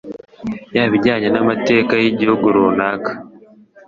yaba ijyanye n'amateka y'igihugu runaka,